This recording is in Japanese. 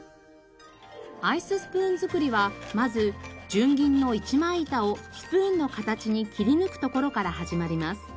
アイススプーン作りはまず純銀の一枚板をスプーンの形に切り抜くところから始まります。